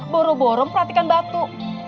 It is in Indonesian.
borom borom perhatikan batu